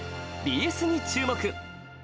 ＢＳに注目！